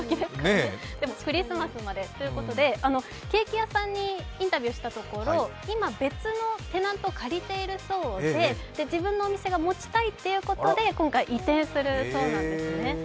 でもクリスマスまでということで、ケーキ屋さんにインタビューしたところ今、別のテナントを借りているそうで自分のお店が持ちたいということで今回移転するそうなんですね。